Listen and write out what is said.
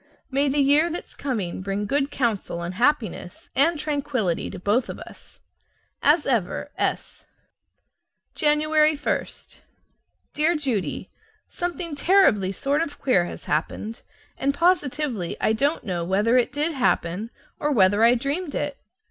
May the year that's coming bring good counsel and happiness and tranquillity to both of us! As ever, S. January 1. Dear Judy: Something terribly sort of queer has happened, and positively I don't know whether it did happen or whether I dreamed it.